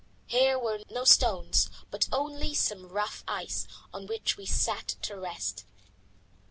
Here were no stones, but only some rough ice, on which we sat to rest.